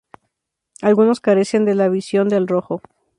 Algunos carecen de la visión del rojo.